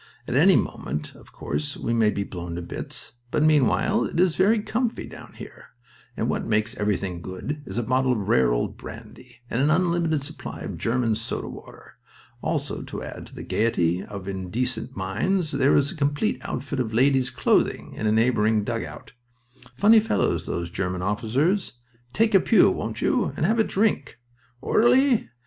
"At any moment, of course, we may be blown to bits, but meanwhile it is very comfy down here, and what makes everything good is a bottle of rare old brandy and an unlimited supply of German soda water. Also to add to the gaiety of indecent minds there is a complete outfit of ladies' clothing in a neighboring dugout. Funny fellows those German officers. Take a pew, won't you? and have a drink. Orderly!"